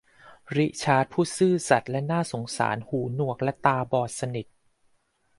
ริชาร์ดผู้ซื่อสัตย์และน่าสงสารหูหนวกและตาบอดสนิท